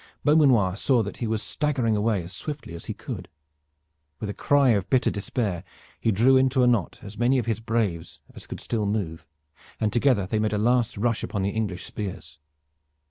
Beaumanoir saw that he was staggering away as swiftly as he could. With a cry of bitter despair, he drew into a knot as many of his braves as could still move, and together they made a last rush upon the English spears.